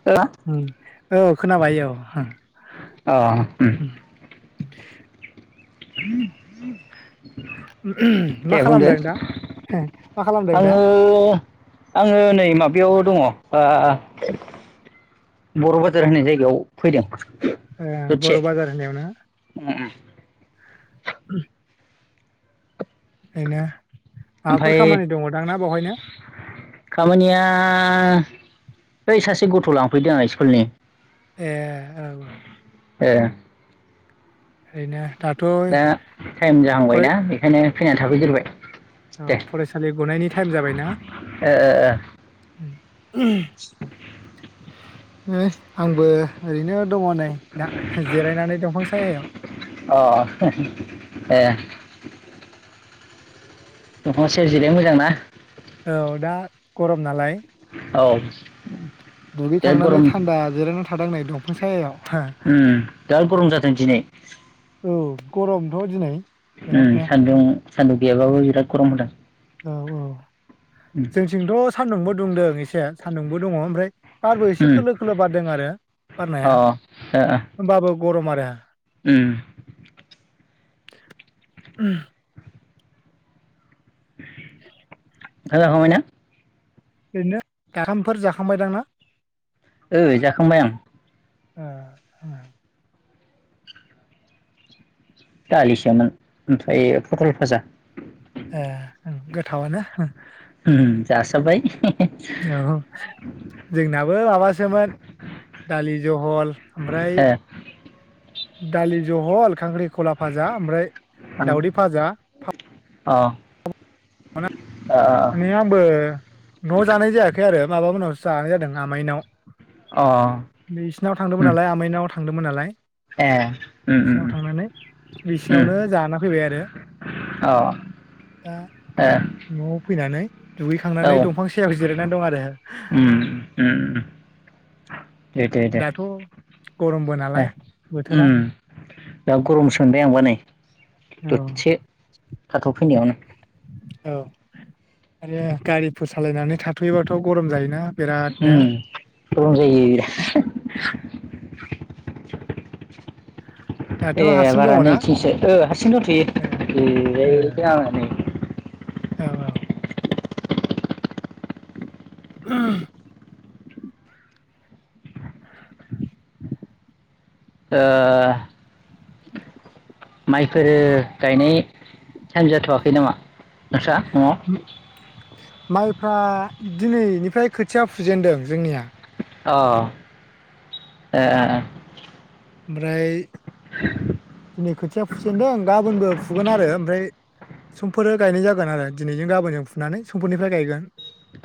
अ औ खोनाबाय औ उम [unintelligible] [unintelligible] मा दे बुंदो खालामदों दा मा खालामदों दा आङो -आङो नै माबायाव दङ ओ बर' बाजार होननाय जायगायाव फैदों। ओ दसे बर' बाजार होननायावना? उम उम [unintelligible] बेनो माबाफोर ओमफाय खामानि दङ दांना बेवहायनो? आं बै सासे गथ' लांफैदों आं स्कुलनि ए औ औ। ए ओरैनो दाथ' दा टाइम फराय जाहांबायना बेखायनो फैनानै थाफैग्रोबाय। औ दे फरायसालि गनायनि टाइम जाबायना? ओ उम। उम। ओइ आंबो ओरैनो दङ नै दा जिरायनानै दंफां सायायाव अ ए दंफां सायाव जिरायनो मोजां ना? औ दा गरम नालाय औ बिराद दुगैखांनानै गरम थान्दा जिरायनानै थादों नै दंफां सायायाव उम दा गरम जादों दिनै। औ गरमथ' दिनै उम बिरादनो सान्दुं सान्दुं गैयाबाबो बिराद गरम होदों। औ औ उम जोंथिंथ' सान्दुंबो दुंदों एसे सान्दुंबो दङ ओमफ्राय बारबो एसे उम खोलो खोलो बारदों आरो अ बारनाया ओ होमबाबो गरम आरो उम उम [inaudible] ओंखाम जाखांबायना? ओरैनो दाथामफोर जाखांबायदां ना? ओइ जाखांबाय आं। ओ ओ दालिसोमोन ओमफ्राय फटल फाजा ए ओं गोथावानो जासाब्बाय औ जोंनाबो माबासोमोन दालि जहल ओमफ्राय ए दालि जहल खांख्रि खला भाजा ओमफ्राय अ दावदै भाजा अ अ माने आंबो न' जानाय जायाखै आरो माबा मोनावसो जानाय जादों आमायनाव अ नै इसोरनाव थांदोंमोन उम नालाय आमायनाव थां थांदोंमोन नालाय ए उम बिसिनाव उम थांनानै उम बिसिनावनो जाना फैबाय आरो अ दा ए न' फैनानै दुगैखांनानै औ दंफां सायाव जिरायनानै दं आरो उम उम दे दे दे दाथ' गरमबो दे नालाय बोथोरा दा गरम सो मोनबाय आंबा नै। औ ददसे थाथ'फैनायावनो। औ आरो गारिफोर सालायनानै थाथ'योबाथ' गरम जायोना। बिरादनो उम गरम जायो। [inaudible] दाथ' ए हारसिं बारा दङना नैथिंसो ओ हारसिं दं ए ए थ'यो औ औ [unintelligible] [unintelligible] [unintelligible] ओ माइफोरो गायनाय टाइम जाथ'वाखै नामा? नोंस्रा न'आव? माइफ्रा दिनैनिफ्राय खोथिया फुजेनदों जोंनिया। औ ए ए ए। ओमफ्राय [unintelligible] दिनै खोथिया फुसेेनदों गाबोनबो फुगोन आरो ओमफ्राय समफोरो गायनाय जागोन आरो दिनैजों गाबोनजों फुनानै समफोरनिफ्राय गायगोन।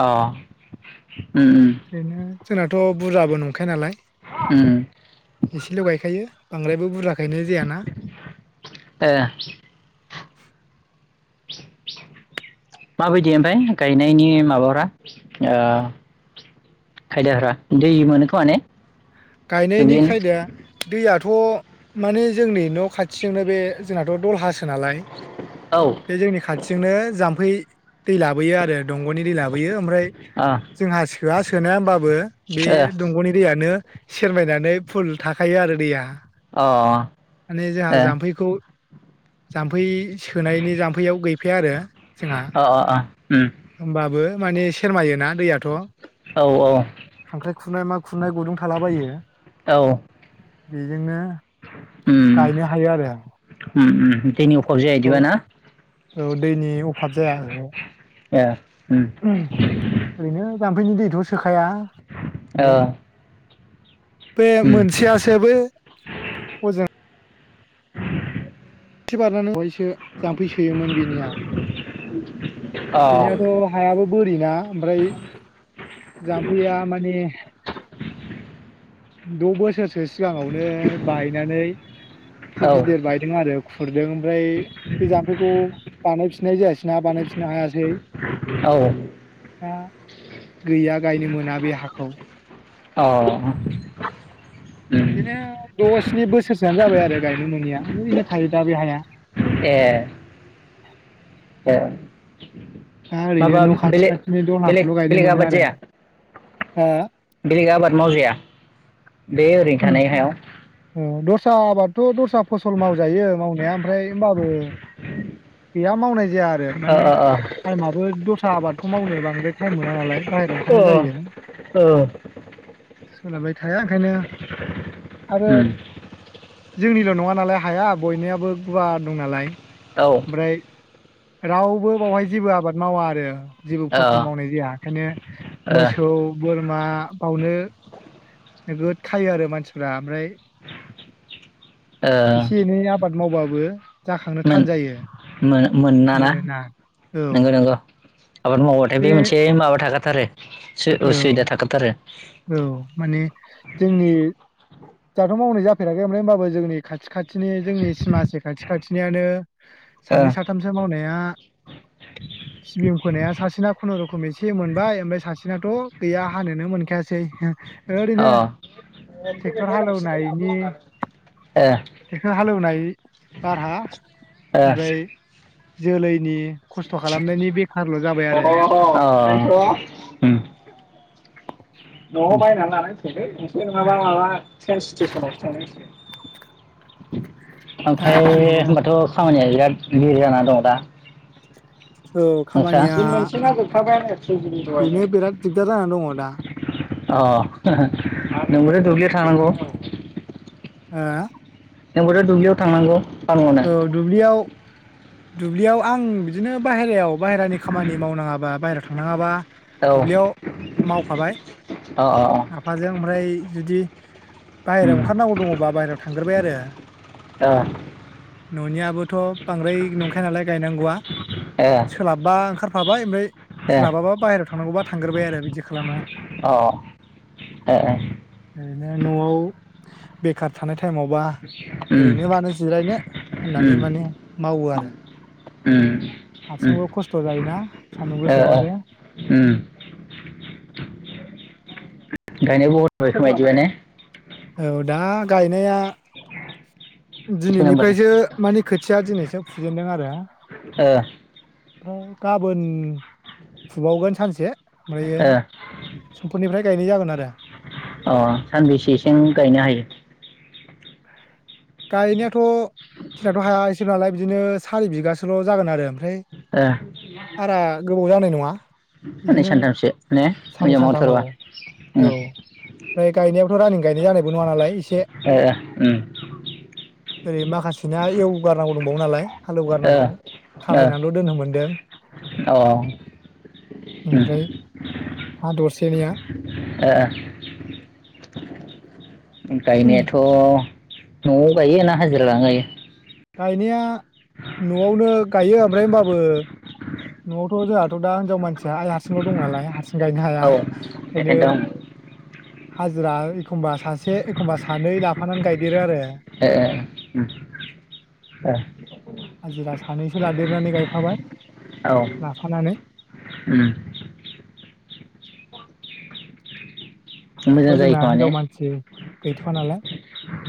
अ उम उम। ओरैनो जोंनाथ' बुरजाबो नंखाया नालाय। उम एसेल' गायखायो। बांद्रायबो बुरजा गाय ए माबायदि ओमफ्राय गायनायनि माबाफ्रा ओ खायदाफ्रा दै मोनो खोमा ने? गायनायनि दुब्लिनि खायदा दैयाथ थ' माने जोंनि न' खाथिजोंनो बे जोंनाथ' दल हासो नालाय औ बे जोंनि खाथिजोंनो जाम्फै दै लाबोयो आरो। दंग'नि दै लाबोयो ओमफ्राय अ ओ अ जोंहा सो मा सोनाया होमबा बो बे दंग'नि दैआनो सेरमायनानै फुल थाखायो आरो दैया। माने जोंहा ए जाम्फैखौ जाम्फै सोनायनि जाम्फैयाव गैफाया आरो जोंहा। अ अ उम होमबाबो माने सेरमायोना दैयाथ' औ औ खांख्राइ खुरनाय मा खुरनाय थालाबायो। औ बेजोंनो उम गायनो हायो आरो उम उम दैनि अभाब जाया इदिबा ना औ दैनि अभाब जाया ओहो। एह ओरैनो जामफैनि दैथ' सोखा खाया ओ [unintelligible] बे उम मोनसेयासोबे हजों [inaudible] एसे बारनानै बायसो जाम्फै सोयोमोन बेनिया। [unintelligible] बेनियाथ' हायाबो बोरि ना ओमफ्राय जाम्फैया माने द' बोसोरसो सिगाङावनो बायनानै एसे औ गिदिर बायदों आरो खुरदों ओमफ्राय बे जाम्फैखौ बानाय फि नाय जायासै ना बानायफिननो हायासै औ दा गैया गायनो मोना बे हाखौ। अ उम बिदिनो द' स्नि बोसोरसोआनो जाबाय आरो गायनो मोनैआ ओरैनो थायो दा बे हाया। ए ए दा ओरैनो माबा न' खाथि बेलेग खाथिनि बेलेग दलहाखौल' गायनो बेलेग मोनो आबाद आरो। जाया हो? बेलेग आबाद मावजाया? बे ओरैनो थानाय हायाव? औ दस्रा आबादथ' दस्रा फसल मावजायो मावनाया ओमफ्राय होमबाबो बगैया मावनाय जाया आरो माने ओ टाइमआबो दस्रा आबादखौ मावनो बांद्राय टाइम मोना नालाय बाहेरायाव ओंखारनाय ओ जायो। ओ [unintelligible] थाया ओंखायनो आरो उम जोंनिल' नंङा नालाय हाया बयनियाबो गुवार दं नालाय। औ। ओमफ्राय रावबो बावहाय जेबो आबाद मावा आरो जेबो ओ फसल मावनाय जाया ओंखायनो मोसौ बोरमा बावनो नोगोद खायो आरो मानसिफ्रा ओमफ्राय [inaudible] एसे एनै आबाद मावबाबो जाखांनो मोन थान जायो मोन-मोना ना? मोना औ नंगौ नंगौ। आबाद मावबाथाय बे मोनसे माबा थाखा थारो। औ औ माने जोंनि दाथ' मावनाय जाफेराखै ओमफ्रा होमबाबो जोंनि खाथि खाथ थिनि जोंनि सिमासे खाथि खाथि नियानो ओ सानै साथामसो मावनाया सिबिं फोनाया सासेना खुनुरुखुम एसे मोनबाय ओमफ्राय सासे सिनाथ' गैया हानोनो मोनखायासै। ओरैनो टेक क्टर हालेवनायनि अ ट्रेक्टर हालेवनाय भारहा ओमफ्राय जोलै। [unintelligible] आरो [unintelligible] बे नंङाबा माबा ट्रेनस्टेसनावसो थांनांसिगोन। ओमफ्राय दा ओरैनो होमबाथ' खामानिया बिराद [unintelligible] जानानै दं दा। औ खामानिया अ नोंस्रा बेनो बिराद दिगदार जानानै दङ' दा। अ नोंबोथ' दुब्लियाव थांनांगौ ओ नोंबोथ' दुब्लियाव थांनांगौ फानहरनो ओं दुब्लियाव दुब्लियाव आं बिदिनो बाहेरायाव बायहेरानि खामानि मावनाङाबा बाहेरायाव थांनाङाबा औ दुब्लियाव मावफाबाय अ आफाजों ओमफ्राय जुदि बायहेरायाव उम ओंखारनांगौ दङ'बा बायेराव थांग्रोबाय आरो ओ ए न'नियाबोथ‌बांद्राय नंखाया नालाय गायनांगौआ ए सोलाबबा ओंखारफाबाय ओमफ्राय अ सोलाबाबा बाहेर थांनांगौबा थांग्रोबाय आरो बिदि खालामो अ अ अ ओरैनो नआव बेखार थानाय टाइमावबा उम ओरैनो मानो जिरायनो होननानै उम माने मावो आरो उम उम हारसिंबो खस्थ' जायोना सान्दुं ओ गोसायाव ओ आरो उम गायनाय बहुद जाबाय खोमा इदिबा ने औ दा गायनाया थिन नाम्बारनि दिनैनिफ्रायसो मानि खोथिया दिनैसो फुजेनदों आरो ओ [unintelligible] गाबोन फुबावगोन सानसे ओमफ्रायो समफोरनिफ्राय गायनाय जागोन आरो ओ अ सानबैसेसिम गायनो हायो गायना याथ' जोंनाथ हाया एसेल नालाय बिदिनो सारि बिगासोल' जागोन आरो ओमफ्राय ए बारा गोबाव जानाय नंङा हनै सानथामसे साननै सानथाम औ औ ओमफ्राय गायनायावथ' रानिं गायनाय जानायबो नंङा नालाय एसे ए उम ओरै माखासेना एवगारनांगौ दंबावो नालाय। ओ हालेवगारनांगौ ओ खारहायनानैल' दोननो मोनदों अ उम ओमफ्राय हा दरसेनिया ओ गायनायाथ नआव गायो ना हाजिरा लाना गायो गायनाया नआवनो गायो ओमफ्राय हबाबो नआवथ जोंहाथ दािनजाव मानसि आसा आइ हारसिंल दं नालाय हारसिं गायनो हाया औ ओंखायनो बेखायनोथ' हाजिरा एखमबा सासे एखमबा सानै लाफानानै गायदेरो आरो ए ए हाजिरा सानैसो लादेरनानै गायफाबाय औ लाफानानै उम दाथ' मोजां जायो जोंना ख माने हिनजाव मानसि गैथ'वा नालाय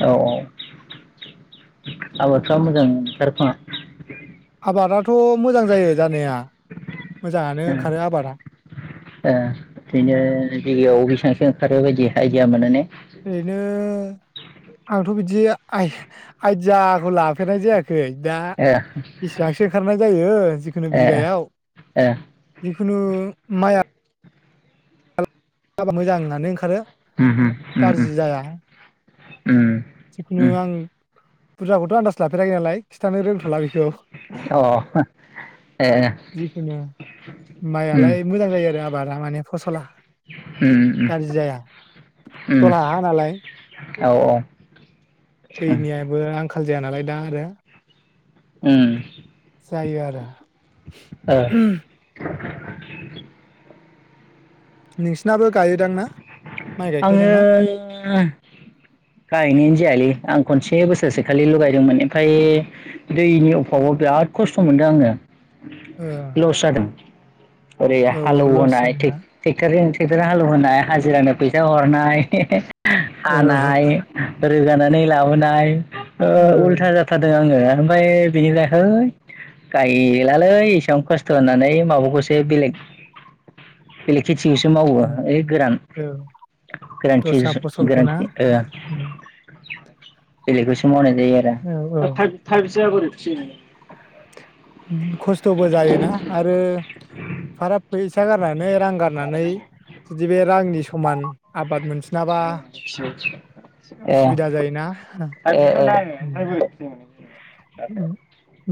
औ औ आबाद जा मोजां सोरफाङा आबादाथ' मोजां जायो जानाया मोजाङानो [unintelligible] ओंखारो आबादा बिनो किजियाव बेसेबांसो आरोयबायदि आयडिया मोनोने ओरैनो आंथ बिदि जि आइ आइदियाखौ लाफेरनाय जायाखै दा ए बेसेबांसो ओंखारनाय जायो जिखुनु ए बिघायाव ए जिखुनु माया जाबा मोजां होननानै ओंखारो उम होम उम होम गाज्रि जाया जिखुनु आं फुजाखौथ आनदाज लाफेराखैनालाय खिथानो रोंथला बेखौ अ ए जिखुनु उम मायालाय मोजां जायो आरो आबादा माने फसला उम उम गाज्रि जाया उम दला हा नालाय औ औ उम दैनियाबो आंखाल जाया नालाय दा आरो उम जायो आरो ओ नोंसिनाबो गायोदां ना माइ आङो गायखायदां ना गायनायानो जायालोय आं खनसे बोसोरसे खालिल गायदोंमोन ओमफाय दैनि अफाबाव बिराद खस्थ सम मोनदों आंङो। ओ लस'जादों। ओरै औ औ लस हालेवहोनाय जादोंना टेक- टेक्टारजों ट्रेक्टर हालव होननाय हाजिरानो फैसा हरनाय औ आनाय रोगानानै लाबोनाय। ओ औ उल्था जाथारदों आङो। ओमफ्राय बिनि जायाखै गायलालै एसेबां खस्थ' होननानै माबाखौसे बेलेग बेलेग खि थिंखौसो मावो उम ओइ गोरान। औ गोरान दस्रा थिबस फसलखौ गोरान ना ओ उम बेेलेगखौसो मावनाय औ जायो औ आरो। [unintelligible] खस्थ'बो जायोना आरो फाराब फैसा गारनानै रां गारनानै जुदि बे रांनि समान आबाद मोनफिनाबा [unintelligible] उसुबिदा जायोना उम ए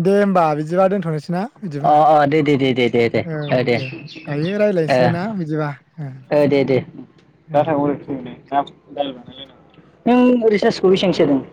दे होमबा बिदिब्ला दोन्थनो अ अ दे दे दे दे ओ औ दे दायो रायज्लायनोसैलाय ना बिदिबा ओ दे दे [inaudible] ओ नों उरिसासखौ बेसेबां सोदों?